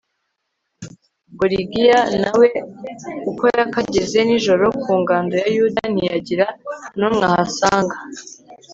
gorigiya na we uko yakageze nijoro ku ngando ya yuda, ntiyagira n'umwe ahasanga